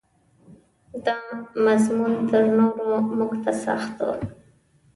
دا مضمون تر نورو موږ ته سخت و.